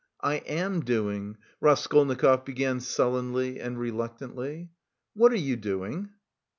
"I am doing..." Raskolnikov began sullenly and reluctantly. "What are you doing?"